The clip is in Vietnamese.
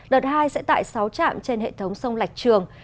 đợt hai sẽ tại sáu trạm trên hệ thống sông lạch trường